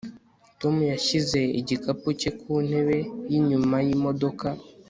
tom yashyize igikapu cye ku ntebe yinyuma yimodoka